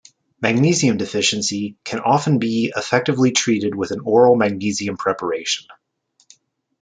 Magnesium deficiency can often be effectively treated with an oral magnesium preparation.